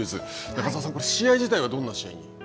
中澤さん、試合自体はどんな試合に。